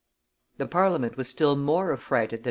The Parliament was still more affrighted than M.